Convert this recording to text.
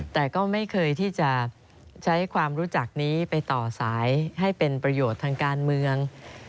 แต่ก็ไม่เคยที่จะใช้ความรู้จักนี้ไปต่อสายให้เป็นประโยชน์ทางการเมือง